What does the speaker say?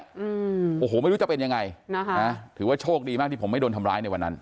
อืมโอ้โหไม่รู้จะเป็นยังไงนะคะนะถือว่าโชคดีมากที่ผมไม่โดนทำร้ายในวันนั้น